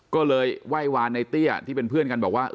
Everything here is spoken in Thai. ก็เลยไหว้วานในเตี้ยที่เป็นเพื่อนกันบอกว่า